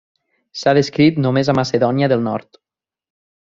S'ha descrit només a Macedònia del Nord.